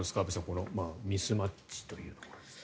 このミスマッチという。